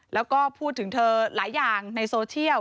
แล้วก็พูดถึงเธอหลายอย่างในโซเชียล